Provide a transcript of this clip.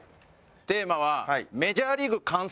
テーマはメジャーリーグ観戦デート。